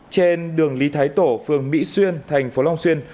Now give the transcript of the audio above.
trên đường lý thái tổ phường mỹ xuyên tp long xuyên